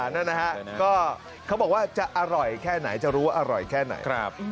นั่นนะฮะก็เขาบอกว่าจะอร่อยแค่ไหนจะรู้ว่าอร่อยแค่ไหน